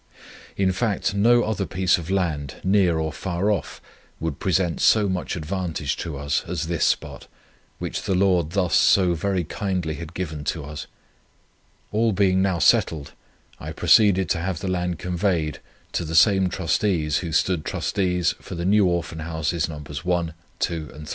In fact, no other piece of land, near or far off, would present so much advantage to us, as this spot, which the Lord thus so very kindly had given to us. All being now settled, I proceeded to have the land conveyed to the same trustees who stood trustees for the New Orphan Houses No. 1, No. 2, and No.